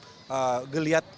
geliat kelenteng tertua